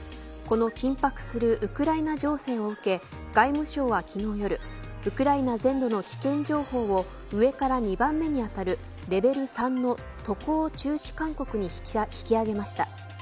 この緊迫するウクライナ情勢を受け外務省は、昨日夜ウクライナ全土の危険情報を上から２番目にあたるレベル３の渡航中止勧告に引き上げました。